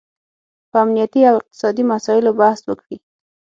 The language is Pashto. په امنیتي او اقتصادي مساییلو بحث وکړي